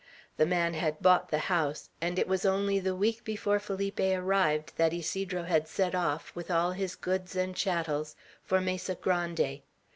The man had bought the house; and it was only the week before Felipe arrived, that Ysidro had set off, with all his goods and chattels, for Mesa Grande.